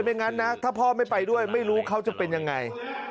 อย่างนั้นนะถ้าพ่อไม่ไปด้วยไม่รู้เขาจะเป็นยังไง